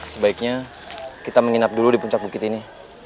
sebaiknya kita menginap dulu di puncak bukit ini